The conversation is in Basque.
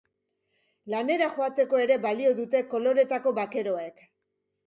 Lanera joateko ere balio dute koloretako bakeroek.